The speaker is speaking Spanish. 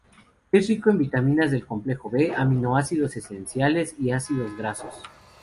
Es rico en vitaminas del complejo B, aminoácidos esenciales y ácidos grasos.